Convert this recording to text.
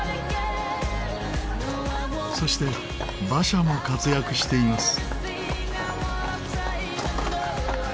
そして馬車も活躍しています。